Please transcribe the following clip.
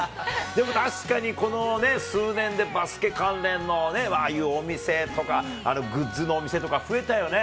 でも確かに、このね、数年でバスケ関連のああいうお店とか、グッズのお店とか増えたよね。